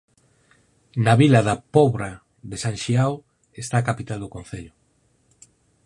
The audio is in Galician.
Na vila da Pobra de San Xiao está a capital do concello.